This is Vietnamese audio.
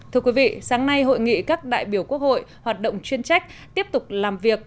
thưa quý vị sáng nay hội nghị các đại biểu quốc hội hoạt động chuyên trách tiếp tục làm việc